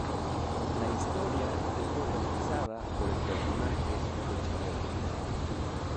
La historia es protagonizada por el personaje Flecha Verde.